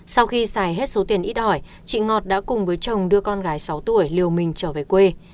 sau khi xài hết số tiền ít ỏi chị ngọt đã cùng với chồng đưa con gái sáu tuổi liều mình trở về quê